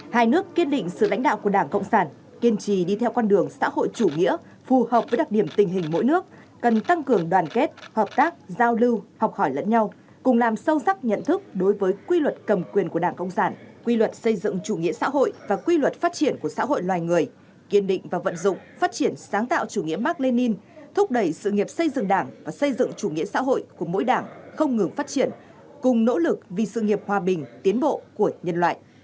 hai nước kiên định sự lãnh đạo của đảng cộng sản kiên trì đi theo con đường xã hội chủ nghĩa phù hợp với đặc điểm tình hình mỗi nước cần tăng cường đoàn kết hợp tác giao lưu học hỏi lẫn nhau cùng làm sâu sắc nhận thức đối với quy luật cầm quyền của đảng cộng sản quy luật xây dựng chủ nghĩa xã hội và quy luật phát triển của xã hội loài người kiên định và vận dụng phát triển sáng tạo chủ nghĩa mark lenin thúc đẩy sự nghiệp xây dựng đảng và xây dựng chủ nghĩa xã hội của mỗi đảng không ngừng phát triển cùng n